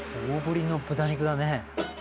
大振りの豚肉だね。